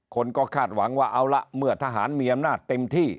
คนก็คาดหวังว่าเอาละเมื่อทหารมีอำนาจเต็มที่